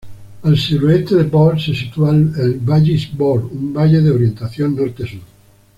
Al suroeste de Bohr se sitúa el Vallis Bohr, un valle de orientación norte-sur.